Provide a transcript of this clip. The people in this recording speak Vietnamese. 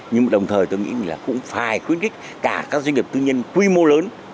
nhưng đồng thời tôi nghĩ là cũng phải khuyến khích cả các doanh nghiệp tư nhân quy mô lớn